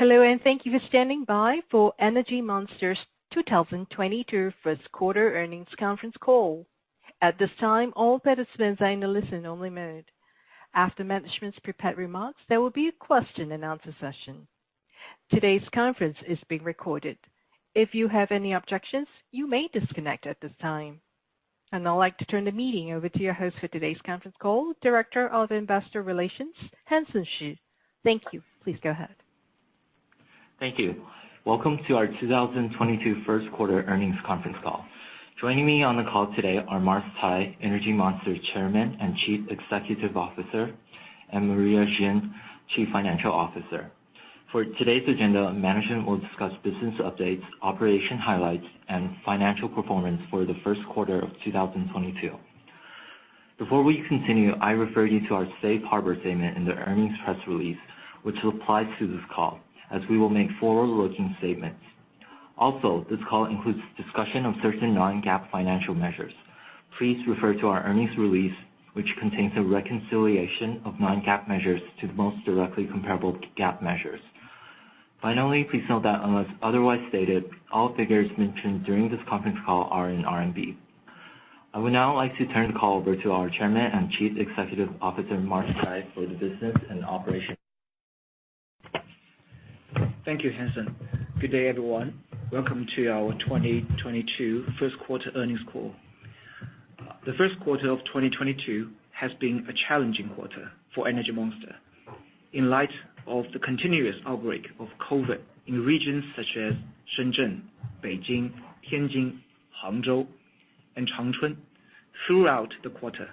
Hello, and thank you for standing by for Energy Monster's 2022 first quarter earnings conference call. At this time, all participants are in a listen only mode. After management's prepared remarks, there will be a question and answer session. Today's conference is being recorded. If you have any objections, you may disconnect at this time. I'd like to turn the meeting over to your host for today's conference call, Director of Investor Relations, Hansen Shi. Thank you. Please go ahead. Thank you. Welcome to our 2022 first quarter earnings conference call. Joining me on the call today are Mars Cai, Energy Monster Chairman and Chief Executive Officer, and Maria Yi Xin, Chief Financial Officer. For today's agenda, management will discuss business updates, operation highlights, and financial performance for the first quarter of 2022. Before we continue, I refer you to our safe harbor statement in the earnings press release, which will apply to this call as we will make forward-looking statements. Also, this call includes discussion of certain non-GAAP financial measures. Please refer to our earnings release, which contains a reconciliation of non-GAAP measures to the most directly comparable GAAP measures. Finally, please note that unless otherwise stated, all figures mentioned during this conference call are in RMB. I would now like to turn the call over to our Chairman and Chief Executive Officer, Mars Cai, for the business and operation. Thank you, Hansen. Good day, everyone. Welcome to our 2022 first quarter earnings call. The first quarter of 2022 has been a challenging quarter for Energy Monster. In light of the continuous outbreak of COVID in regions such as Shenzhen, Beijing, Tianjin, Hangzhou, and Changchun throughout the quarter,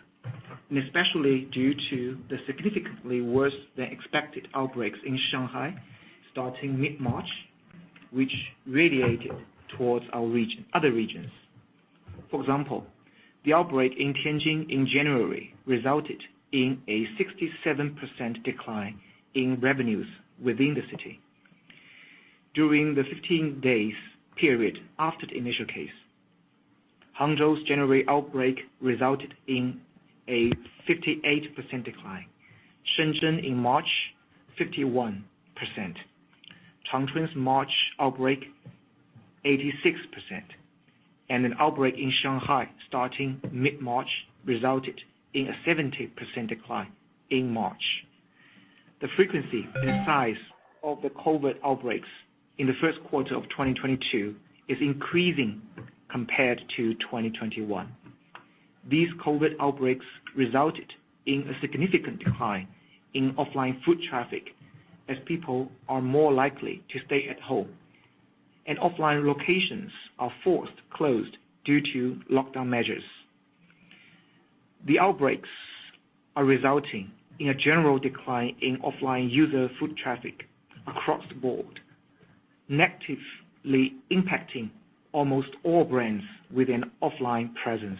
and especially due to the significantly worse than expected outbreaks in Shanghai starting mid-March, which radiated towards our region, other regions. For example, the outbreak in Tianjin in January resulted in a 67% decline in revenues within the city. During the 15 days period after the initial case, Hangzhou's January outbreak resulted in a 58% decline. Shenzhen in March, 51%. Changchun's March outbreak, 86%. An outbreak in Shanghai starting mid-March resulted in a 70% decline in March. The frequency and size of the COVID outbreaks in the first quarter of 2022 is increasing compared to 2021. These COVID outbreaks resulted in a significant decline in offline foot traffic as people are more likely to stay at home, and offline locations are forced to close due to lockdown measures. The outbreaks are resulting in a general decline in offline user foot traffic across the board, negatively impacting almost all brands with an offline presence.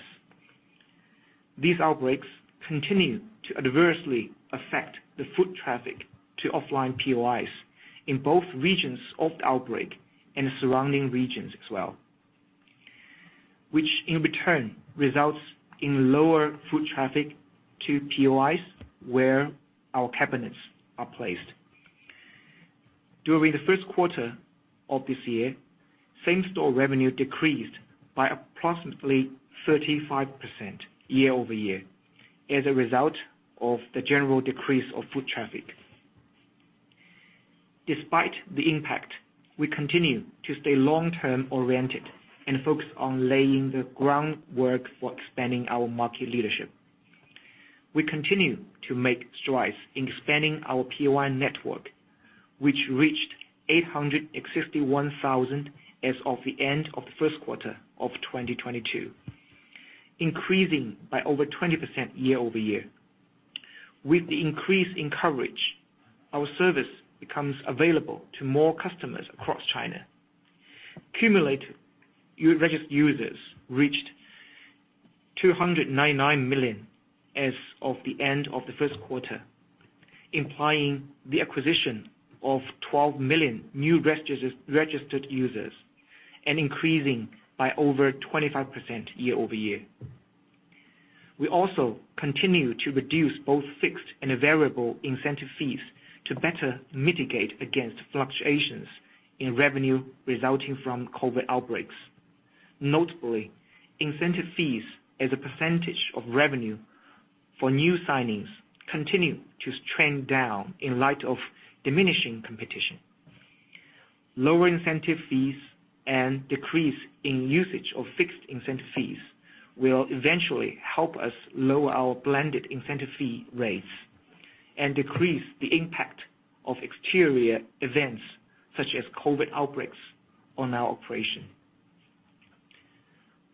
These outbreaks continue to adversely affect the foot traffic to offline POIs in both regions of the outbreak and surrounding regions as well, which in turn results in lower foot traffic to POIs where our cabinets are placed. During the first quarter of this year, same-store revenue decreased by approximately 35% YoY as a result of the general decrease of foot traffic. Despite the impact, we continue to stay long-term oriented and focus on laying the groundwork for expanding our market leadership. We continue to make strides in expanding our POI network, which reached 861,000 as of the end of the first quarter of 2022, increasing by over 20% YoY. With the increase in coverage, our service becomes available to more customers across China. Cumulative registered users reached 299 million as of the end of the first quarter, implying the acquisition of 12 million new registered users and increasing by over 25% YoY. We also continue to reduce both fixed and variable incentive fees to better mitigate against fluctuations in revenue resulting from COVID outbreaks. Notably, incentive fees as a percentage of revenue for new signings continue to trend down in light of diminishing competition. Lower incentive fees and decrease in usage of fixed incentive fees will eventually help us lower our blended incentive fee rates and decrease the impact of exterior events such as COVID outbreaks on our operation.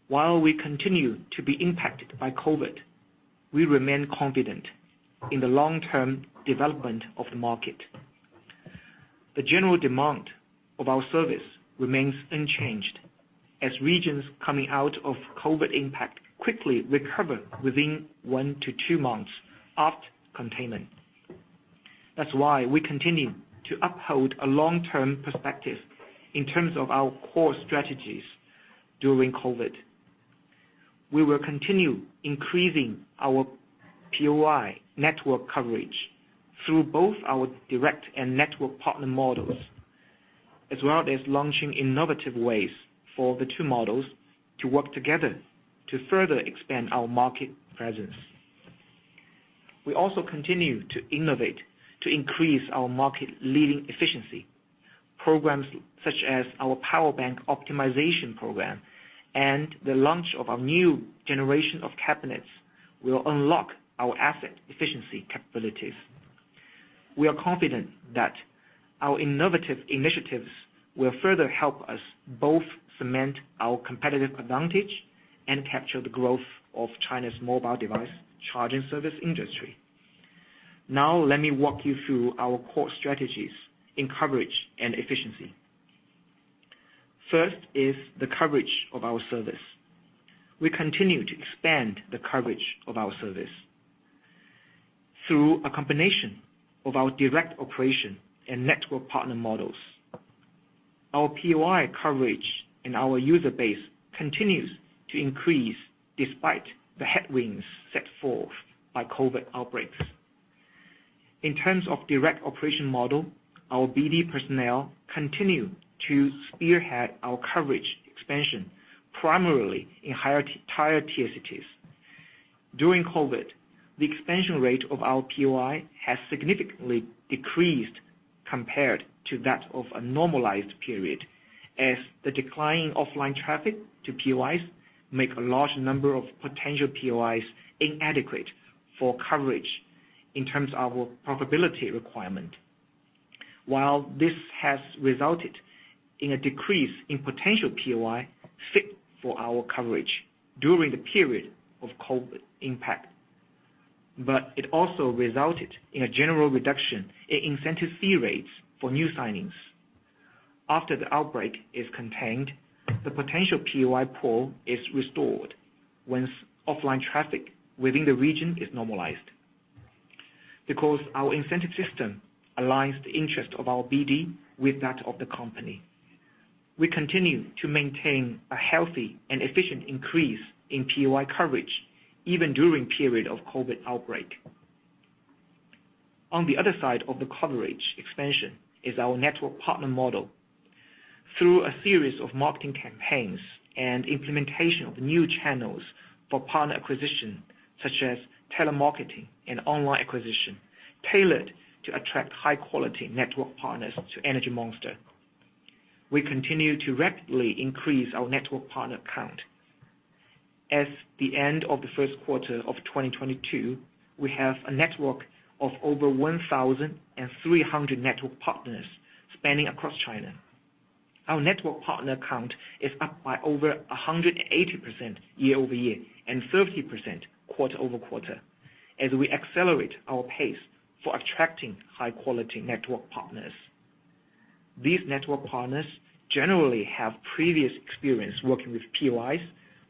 While we continue to be impacted by COVID, we remain confident in the long-term development of the market. The general demand of our service remains unchanged as regions coming out of COVID impact quickly recover within one to two months after containment. That's why we continue to uphold a long-term perspective in terms of our core strategies during COVID. We will continue increasing our POI network coverage through both our direct and network partner models, as well as launching innovative ways for the two models to work together to further expand our market presence. We also continue to innovate to increase our market-leading efficiency. Programs such as our power bank optimization program and the launch of our new generation of cabinets will unlock our asset efficiency capabilities. We are confident that our innovative initiatives will further help us both cement our competitive advantage and capture the growth of China's mobile device charging service industry. Now, let me walk you through our core strategies in coverage and efficiency. First is the coverage of our service. We continue to expand the coverage of our service through a combination of our direct operation and network partner models. Our POI coverage and our user base continues to increase despite the headwinds set forth by COVID outbreaks. In terms of direct operation model, our BD personnel continue to spearhead our coverage expansion primarily in higher tier cities. During COVID, the expansion rate of our POI has significantly decreased compared to that of a normalized period, as the decline in offline traffic to POIs make a large number of potential POIs inadequate for coverage in terms of our profitability requirement. While this has resulted in a decrease in potential POI fit for our coverage during the period of COVID impact. It also resulted in a general reduction in incentive fee rates for new signings. After the outbreak is contained, the potential POI pool is restored once offline traffic within the region is normalized. Because our incentive system aligns the interest of our BD with that of the company, we continue to maintain a healthy and efficient increase in POI coverage even during period of COVID outbreak. On the other side of the coverage expansion is our network partner model. Through a series of marketing campaigns and implementation of new channels for partner acquisition, such as telemarketing and online acquisition, tailored to attract high-quality network partners to Energy Monster. We continue to rapidly increase our network partner count. As of the end of the first quarter of 2022, we have a network of over 1,300 network partners spanning across China. Our network partner count is up by over 180% YoY, and 50% QoQ as we accelerate our pace for attracting high-quality network partners. These network partners generally have previous experience working with POIs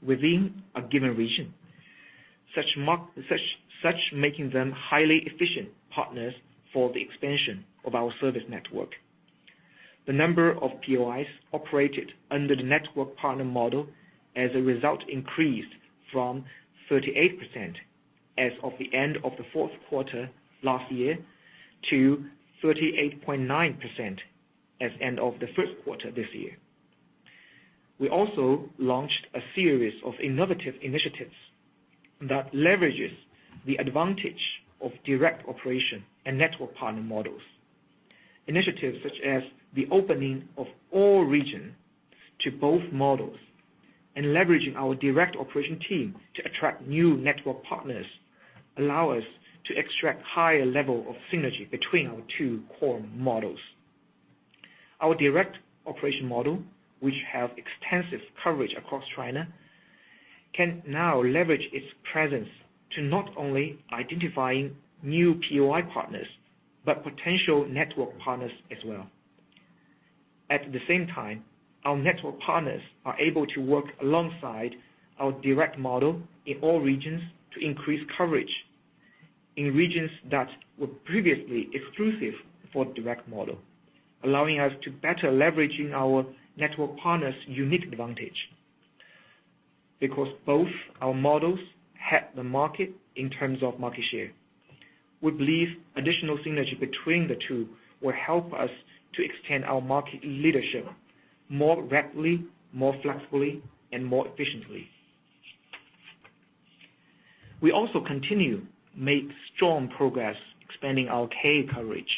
within a given region, such making them highly efficient partners for the expansion of our service network. The number of POIs operated under the network partner model as a result increased from 38% as of the end of the fourth quarter last year to 38.9% as of the end of the first quarter this year. We also launched a series of innovative initiatives that leverages the advantage of direct operation and network partner models. Initiatives such as the opening of all region to both models and leveraging our direct operation team to attract new network partners allow us to extract higher level of synergy between our two core models. Our direct operation model, which have extensive coverage across China, can now leverage its presence to not only identifying new POI partners, but potential network partners as well. At the same time, our network partners are able to work alongside our direct model in all regions to increase coverage in regions that were previously exclusive for direct model, allowing us to better leveraging our network partners' unique advantage. Because both our models have the market in terms of market share, we believe additional synergy between the two will help us to extend our market leadership more rapidly, more flexibly, and more efficiently. We also continue make strong progress expanding our KA coverage.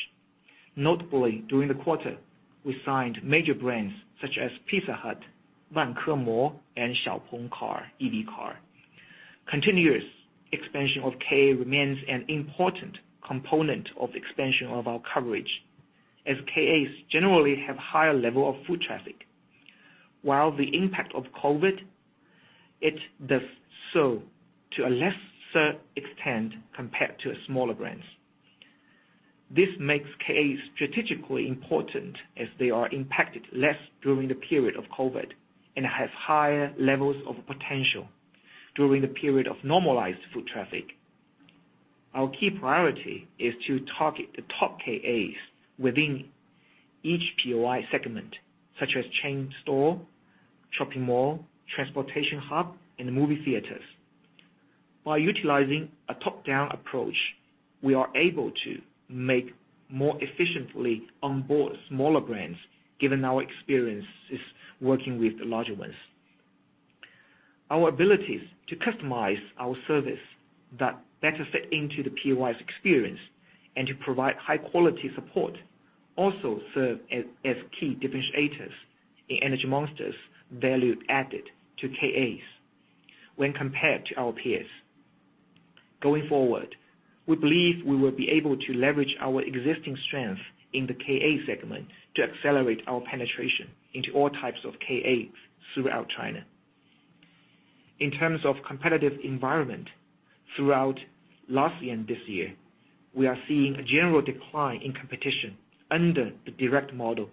Notably, during the quarter, we signed major brands such as Pizza Hut, Manner Coffee, and XPeng. Continuous expansion of KA remains an important component of expansion of our coverage, as KAs generally have higher level of foot traffic. While the impact of COVID, it does so to a lesser extent compared to smaller brands. This makes KAs strategically important as they are impacted less during the period of COVID and have higher levels of potential during the period of normalized foot traffic. Our key priority is to target the top KAs within each POI segment, such as chain store, shopping mall, transportation hub, and movie theaters. By utilizing a top-down approach, we are able to make more efficiently on board smaller brands given our experiences working with the larger ones. Our abilities to customize our service that better fit into the POI's experience and to provide high-quality support also serve as key differentiators in Energy Monster's value added to KAs when compared to our peers. Going forward, we believe we will be able to leverage our existing strength in the KA segment to accelerate our penetration into all types of KAs throughout China. In terms of competitive environment throughout last year and this year, we are seeing a general decline in competition under the direct model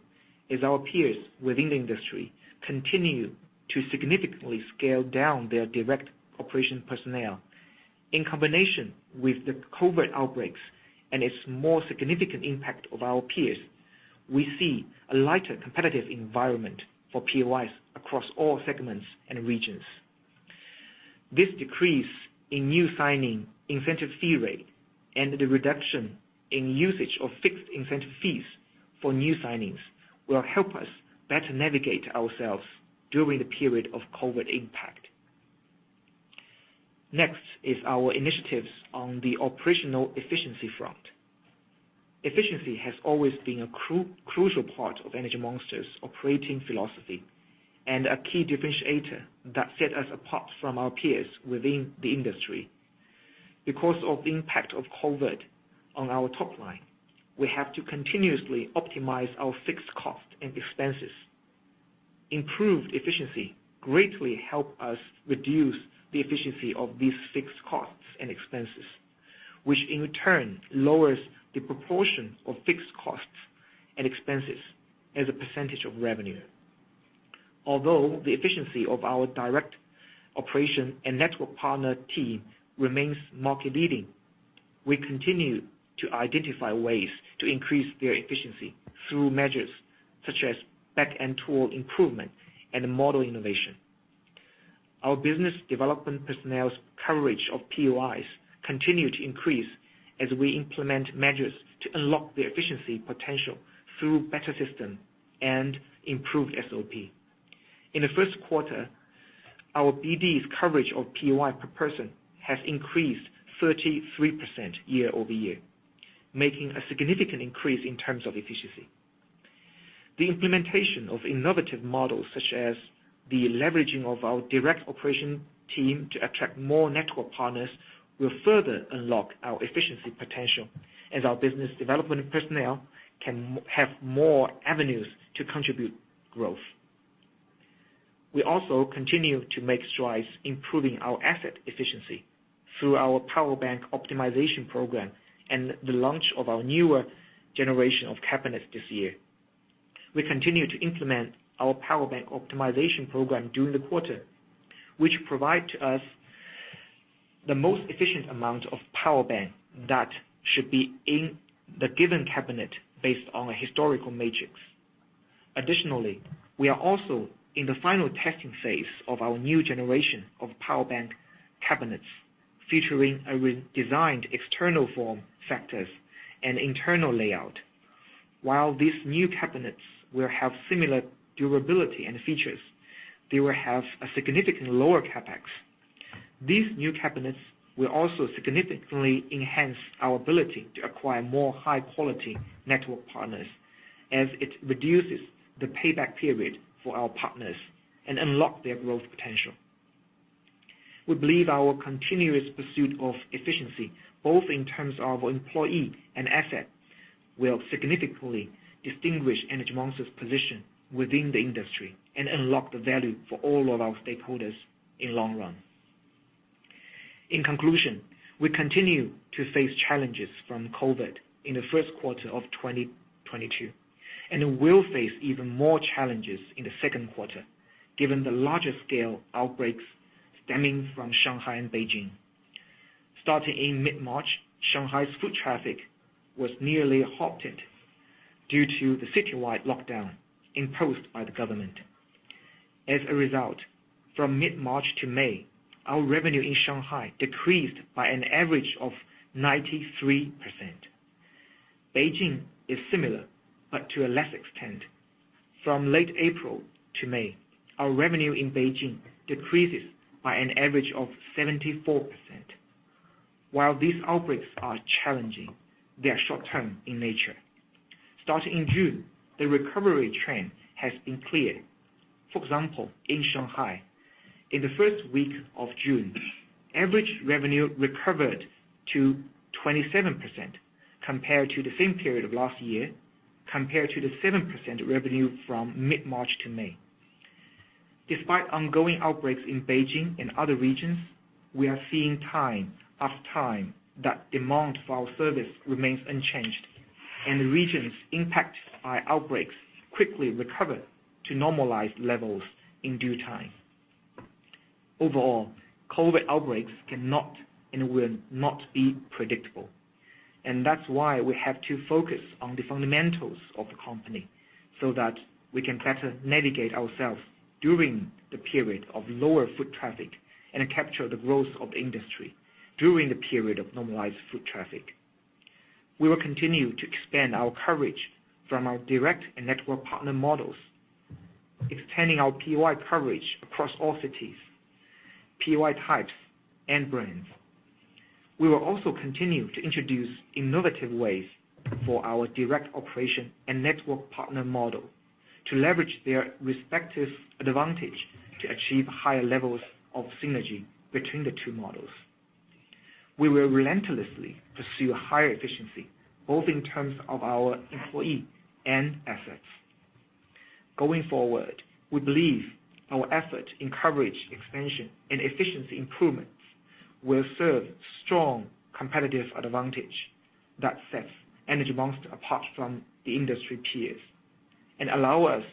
as our peers within the industry continue to significantly scale down their direct operation personnel. In combination with the COVID outbreaks and its more significant impact on our peers, we see a lighter competitive environment for POIs across all segments and regions. This decrease in new signing incentive fee rate and the reduction in usage of fixed incentive fees for new signings will help us better navigate ourselves during the period of COVID impact. Next is our initiatives on the operational efficiency front. Efficiency has always been a crucial part of Energy Monster's operating philosophy and a key differentiator that set us apart from our peers within the industry. Because of impact of COVID on our top line, we have to continuously optimize our fixed cost and expenses. Improved efficiency greatly help us reduce these fixed costs and expenses, which in turn lowers the proportion of fixed costs and expenses as a percentage of revenue. Although the efficiency of our direct operation and network partner team remains market-leading, we continue to identify ways to increase their efficiency through measures such as back-end tool improvement and model innovation. Our business development personnel's coverage of POIs continue to increase as we implement measures to unlock the efficiency potential through better system and improved SOP. In the first quarter, our BD's coverage of POI per person has increased 33% YoY, making a significant increase in terms of efficiency. The implementation of innovative models such as the leveraging of our direct operation team to attract more network partners will further unlock our efficiency potential as our business development personnel can have more avenues to contribute growth. We also continue to make strides improving our asset efficiency through our power bank optimization program and the launch of our newer generation of cabinets this year. We continue to implement our power bank optimization program during the quarter, which provide to us the most efficient amount of power bank that should be in the given cabinet based on a historical matrix. Additionally, we are also in the final testing phase of our new generation of power bank cabinets, featuring a redesigned external form factors and internal layout. While these new cabinets will have similar durability and features, they will have a significantly lower CapEx. These new cabinets will also significantly enhance our ability to acquire more high-quality network partners as it reduces the payback period for our partners and unlock their growth potential. We believe our continuous pursuit of efficiency, both in terms of employee and asset, will significantly distinguish Energy Monster's position within the industry and unlock the value for all of our stakeholders in the long run. In conclusion, we continue to face challenges from COVID in the first quarter of 2022, and will face even more challenges in the second quarter given the larger scale outbreaks stemming from Shanghai and Beijing. Starting in mid-March, Shanghai's foot traffic was nearly halted due to the citywide lockdown imposed by the government. As a result, from mid-March to May, our revenue in Shanghai decreased by an average of 93%. Beijing is similar, but to a lesser extent. From late April to May, our revenue in Beijing decreases by an average of 74%. While these outbreaks are challenging, they are short-term in nature. Starting in June, the recovery trend has been clear. For example, in Shanghai, in the first week of June, average revenue recovered to 27% compared to the same period of last year compared to the 7% revenue from mid-March to May. Despite ongoing outbreaks in Beijing and other regions, we are seeing time after time that demand for our service remains unchanged, and the regions impacted by outbreaks quickly recover to normalized levels in due time. Overall, COVID outbreaks cannot and will not be predictable. That's why we have to focus on the fundamentals of the company so that we can better navigate ourselves during the period of lower foot traffic and capture the growth of the industry during the period of normalized foot traffic. We will continue to expand our coverage from our direct and network partner models, extending our POI coverage across all cities, POI types, and brands. We will also continue to introduce innovative ways for our direct operation and network partner model to leverage their respective advantage to achieve higher levels of synergy between the two models. We will relentlessly pursue higher efficiency, both in terms of our employee and assets. Going forward, we believe our effort in coverage expansion and efficiency improvements will serve as a strong competitive advantage that sets Energy Monster apart from the industry peers, and allow us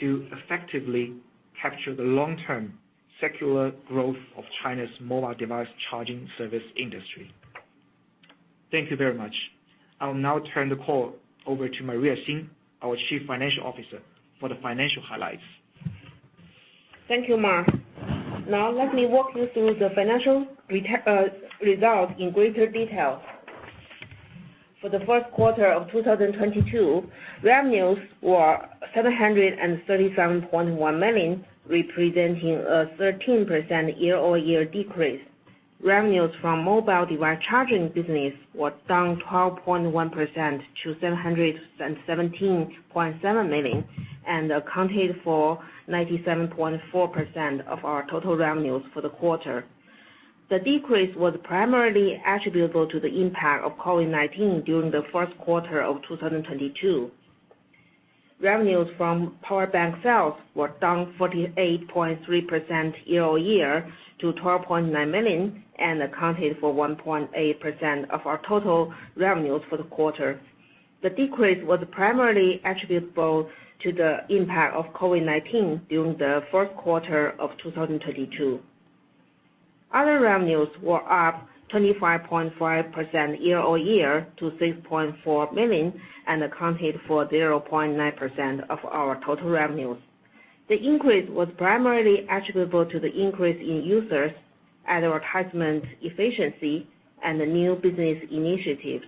to effectively capture the long-term secular growth of China's mobile device charging service industry. Thank you very much. I will now turn the call over to Maria Xin, our Chief Financial Officer, for the financial highlights. Thank you, Mars. Now let me walk you through the financial results in greater detail. For the first quarter of 2022, revenues were 737.1 million, representing a 13% YoY decrease. Revenues from mobile device charging business was down 12.1% to 717.7 million and accounted for 97.4% of our total revenues for the quarter. The decrease was primarily attributable to the impact of COVID-19 during the first quarter of 2022. Revenues from power bank sales were down 48.3% YoY to 12.9 million and accounted for 1.8% of our total revenues for the quarter. The decrease was primarily attributable to the impact of COVID-19 during the first quarter of 2022. Other revenues were up 25.5% YoY to 6.4 million and accounted for 0.9% of our total revenues. The increase was primarily attributable to the increase in users, advertisement efficiency, and the new business initiatives.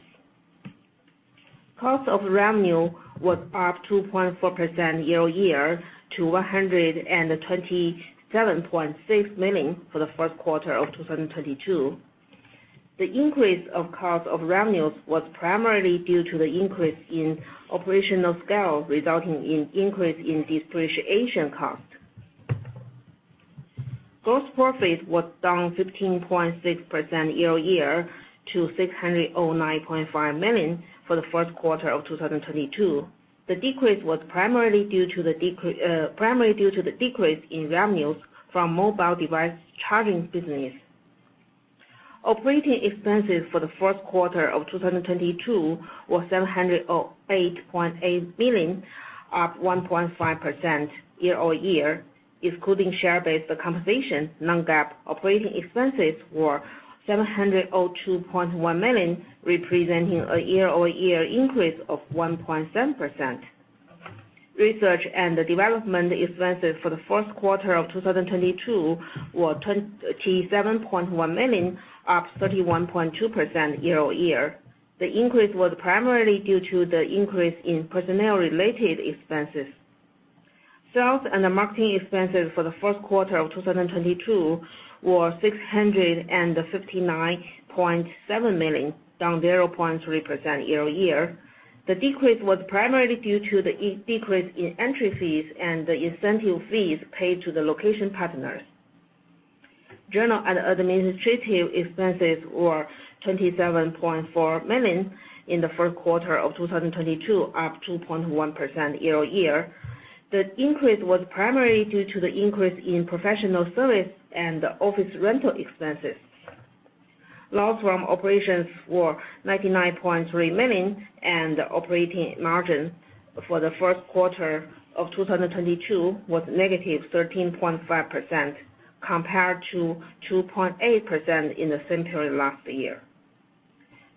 Cost of revenue was up 2.4% YoY to 127.6 million for the first quarter of 2022. The increase of cost of revenues was primarily due to the increase in operational scale, resulting in increase in depreciation cost. Gross profit was down 15.6% YoY to 609.5 million for the first quarter of 2022. The decrease was primarily due to the decrease in revenues from mobile device charging business. Operating expenses for the first quarter of 2022 were 708.8 million, up 1.5% YoY, excluding share-based compensation. non-GAAP operating expenses were 702.1 million, representing a YoY increase of 1.7%. Research and development expenses for the first quarter of 2022 were 27.1 million, up 31.2% YoY. The increase was primarily due to the increase in personnel-related expenses. Sales and marketing expenses for the first quarter of 2022 were 659.7 million, down 0.3% YoY. The decrease was primarily due to the decrease in entry fees and the incentive fees paid to the location partners. General and administrative expenses were 27.4 million in the first quarter of 2022, up 2.1% YoY. The increase was primarily due to the increase in professional service and office rental expenses. Loss from operations were 99.3 million, and operating margin for the first quarter of 2022 was -13.5% compared to 2.8% in the same period last year.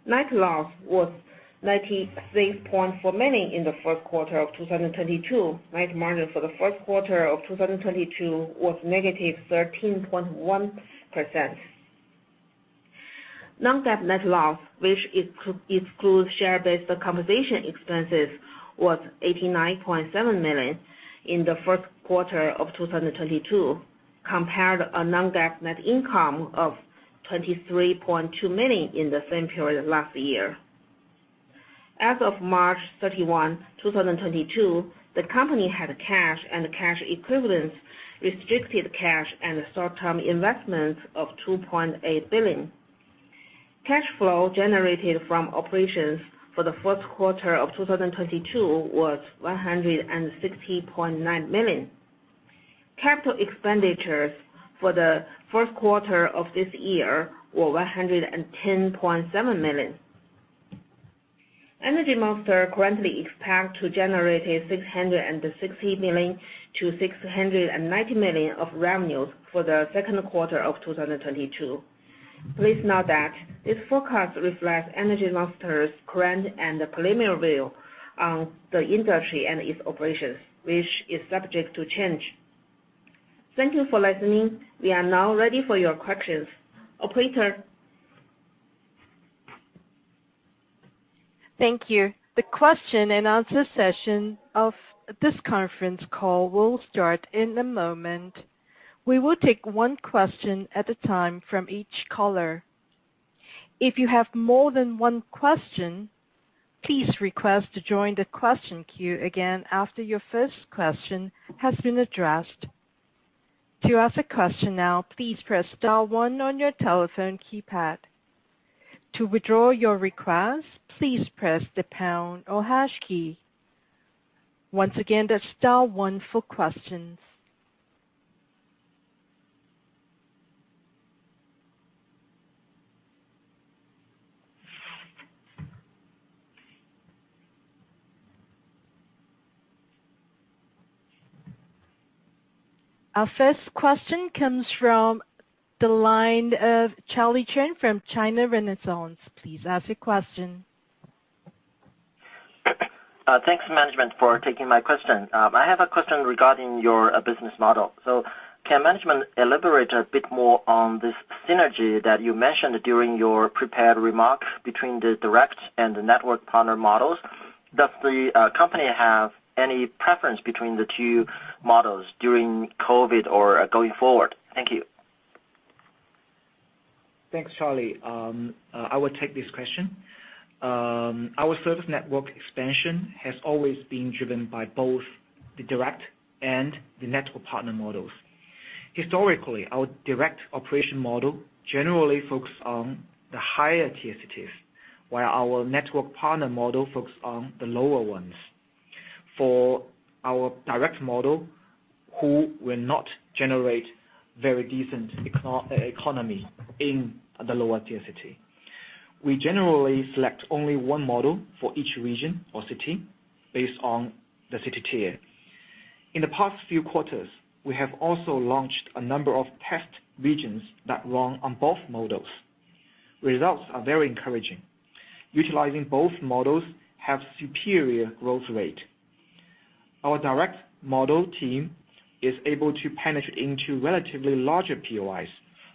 Net loss was 96.4 million in the first quarter of 2022. Net margin for the first quarter of 2022 was -13.1%. non-GAAP net loss, which excludes share-based compensation expenses, was 89.7 million in the first quarter of 2022, compared to a non-GAAP net income of 23.2 million in the same period last year. As of March 31, 2022, the company had cash and cash equivalents, restricted cash and short-term investments of 2.8 billion. Cash flow generated from operations for the first quarter of 2022 was 160.9 million. Capital expenditures for the first quarter of this year were 110.7 million. Energy Monster currently expect to generate 660 million-690 million of revenues for the second quarter of 2022. Please note that this forecast reflects Energy Monster's current and preliminary view on the industry and its operations, which is subject to change. Thank you for listening. We are now ready for your questions. Operator? Thank you. The question and answer session of this conference call will start in a moment. We will take one question at a time from each caller. If you have more than one question, please request to join the question queue again after your first question has been addressed. To ask a question now, please press star one on your telephone keypad. To withdraw your request, please press the pound or hash key. Once again, that's star one for questions. Our first question comes from the line of Charlie Chen from China Renaissance. Please ask your question. Thanks management for taking my question. I have a question regarding your business model. Can management elaborate a bit more on this synergy that you mentioned during your prepared remarks between the direct and the network partner models? Does the company have any preference between the two models during COVID or going forward? Thank you. Thanks, Charlie. I will take this question. Our service network expansion has always been driven by both the direct and the network partner models. Historically, our direct operation model generally focus on the higher tier cities, while our network partner model focus on the lower ones. For our direct model, who will not generate very decent economy in the lower tier city. We generally select only one model for each region or city based on the city tier. In the past few quarters, we have also launched a number of test regions that run on both models. Results are very encouraging. Utilizing both models have superior growth rate. Our direct model team is able to penetrate into relatively larger POIs,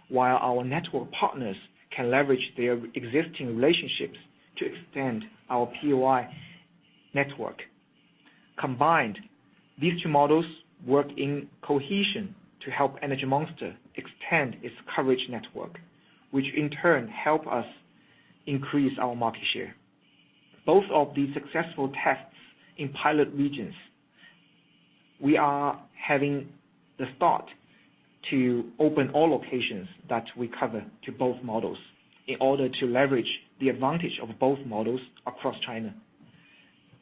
while our network partners can leverage their existing relationships to extend our POI network. Combined, these two models work in cohesion to help Energy Monster extend its coverage network, which in turn help us increase our market share. Both of these successful tests in pilot regions, we are starting to open all locations that we cover to both models in order to leverage the advantage of both models across China.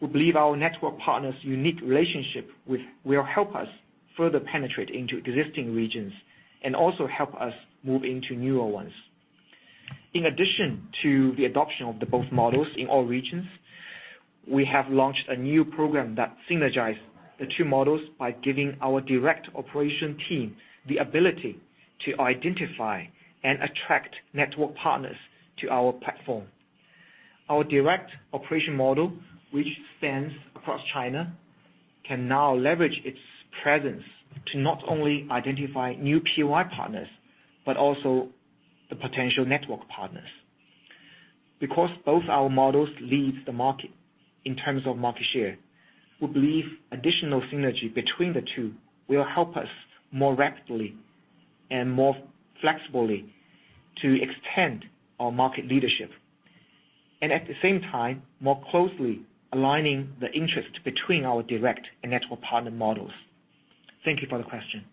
We believe our network partners' unique relationship with will help us further penetrate into existing regions and also help us move into newer ones. In addition to the adoption of both models in all regions, we have launched a new program that synergize the two models by giving our direct operation team the ability to identify and attract network partners to our platform. Our direct operation model, which spans across China, can now leverage its presence to not only identify new POI partners, but also the potential network partners. Because both our models leads the market in terms of market share, we believe additional synergy between the two will help us more rapidly and more flexibly to extend our market leadership. At the same time, more closely aligning the interest between our direct and network partner models. Thank you for the question.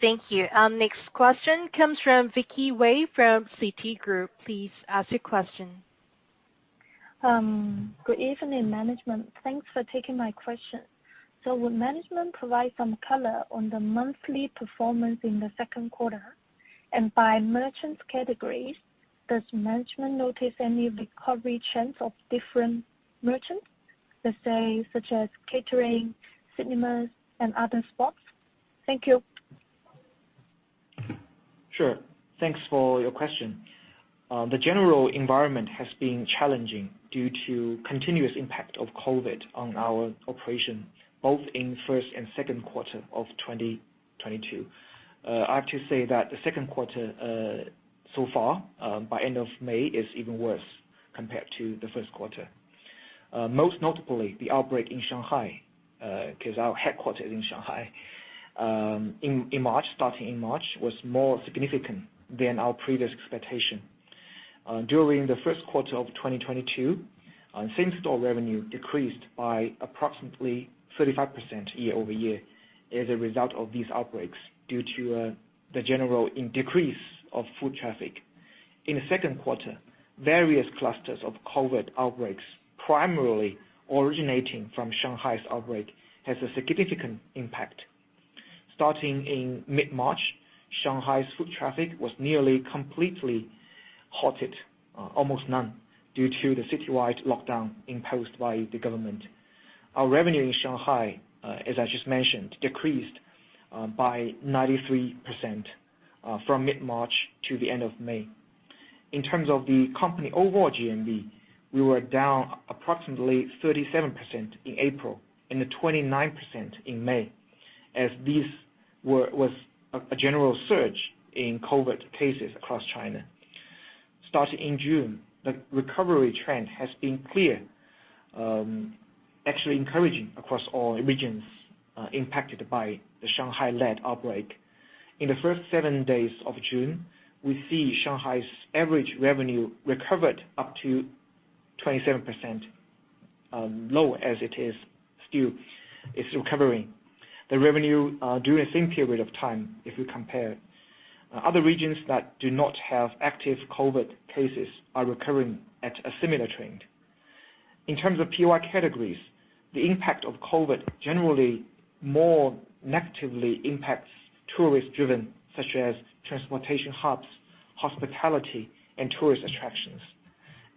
Thank you. Our next question comes from Vicky Wei from Citi. Please ask your question. Good evening, management. Thanks for taking my question. Will management provide some color on the monthly performance in the second quarter? By merchants categories, does management notice any recovery trends of different merchants, let's say, such as catering, cinemas, and other spots? Thank you. Sure. Thanks for your question. The general environment has been challenging due to continuous impact of COVID on our operation, both in first and second quarter of 2022. I have to say that the second quarter, so far, by end of May, is even worse compared to the first quarter. Most notably, the outbreak in Shanghai, because our headquarters is in Shanghai, in March, was more significant than our previous expectation. During the first quarter of 2022, same-store revenue decreased by approximately 35% YoY as a result of these outbreaks due to, the general decrease of foot traffic. In the second quarter, various clusters of COVID outbreaks, primarily originating from Shanghai's outbreak, has a significant impact. Starting in mid-March, Shanghai's foot traffic was nearly completely halted, almost none due to the citywide lockdown imposed by the government. Our revenue in Shanghai, as I just mentioned, decreased by 93% from mid-March to the end of May. In terms of the company overall GMV, we were down approximately 37% in April and 29% in May, as this was a general surge in COVID cases across China. Starting in June, the recovery trend has been clear, actually encouraging across all regions impacted by the Shanghai-led outbreak. In the first seven days of June, we see Shanghai's average revenue recovered up to 27%, low as it is still, it's recovering. The revenue during the same period of time, if you compare, other regions that do not have active COVID cases are recovering at a similar trend. In terms of POI categories, the impact of COVID generally more negatively impacts tourist-driven such as transportation hubs, hospitality, and tourist attractions.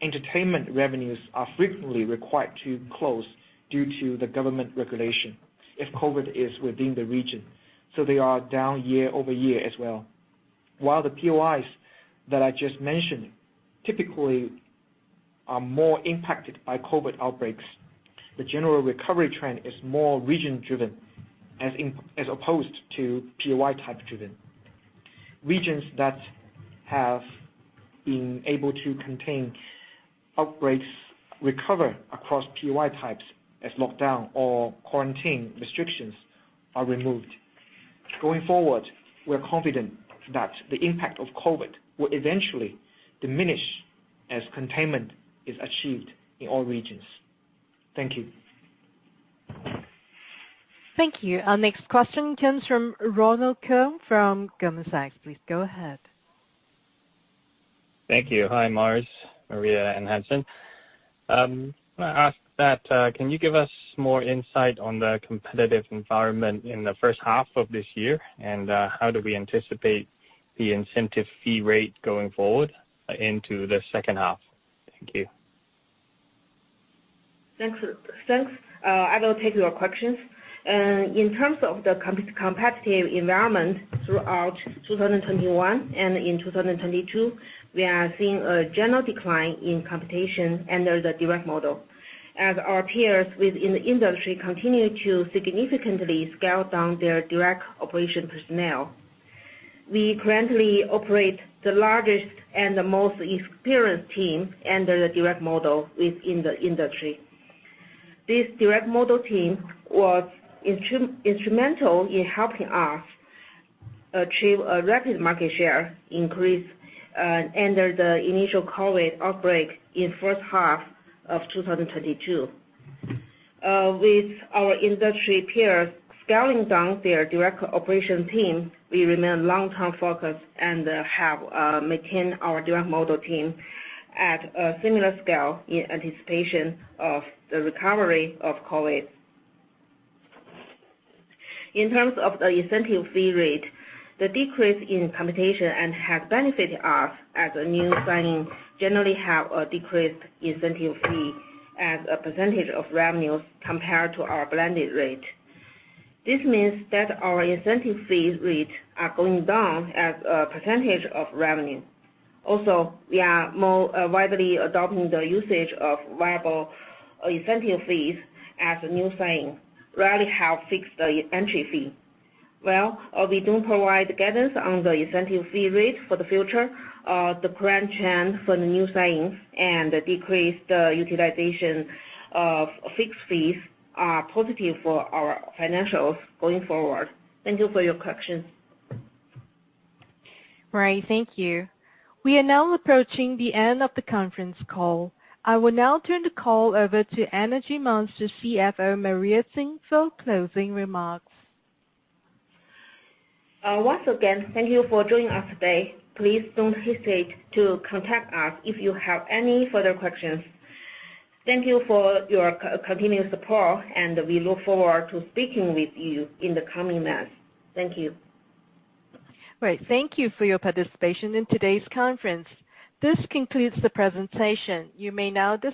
Entertainment revenues are frequently required to close due to the government regulation if COVID is within the region, so they are down YoY as well. While the POIs that I just mentioned typically are more impacted by COVID outbreaks, the general recovery trend is more region-driven as opposed to POI type-driven. Regions that have been able to contain outbreaks recover across POI types as lockdown or quarantine restrictions are removed. Going forward, we're confident that the impact of COVID will eventually diminish as containment is achieved in all regions. Thank you. Thank you. Our next question comes from Ronald Keung from Goldman Sachs. Please go ahead. Thank you. Hi, Mars, Maria, and Hansen. I'm gonna ask that, can you give us more insight on the competitive environment in the first half of this year, and, how do we anticipate the incentive fee rate going forward into the second half? Thank you. Thanks. I will take your questions. In terms of the competitive environment throughout 2021 and in 2022, we are seeing a general decline in competition under the direct model as our peers within the industry continue to significantly scale down their direct operation personnel. We currently operate the largest and the most experienced team under the direct model within the industry. This direct model team was instrumental in helping us achieve a rapid market share increase under the initial COVID outbreak in first half of 2022. With our industry peers scaling down their direct operation team, we remain long-term focused and have maintained our direct model team at a similar scale in anticipation of the recovery of COVID. In terms of the incentive fee rate, the decrease in competition has benefited us as new signings generally have a decreased incentive fee as a percentage of revenues compared to our blended rate. This means that our incentive fees rate are going down as a percentage of revenue. Also, we are more widely adopting the usage of variable incentive fees as new signings rarely have fixed entry fee. Well, we don't provide guidance on the incentive fee rate for the future. The current trend for the new signings and the decreased utilization of fixed fees are positive for our financials going forward. Thank you for your question. Right. Thank you. We are now approaching the end of the conference call. I will now turn the call over to Energy Monster CFO, Maria Yi Xin, for closing remarks. Once again, thank you for joining us today. Please don't hesitate to contact us if you have any further questions. Thank you for your continued support, and we look forward to speaking with you in the coming months. Thank you. Right. Thank you for your participation in today's conference. This concludes the presentation. You may now disconnect.